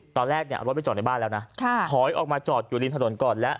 ตอนแรกเนี่ยเอารถไปจอดในบ้านแล้วนะถอยออกมาจอดอยู่ริมถนนก่อนแล้ว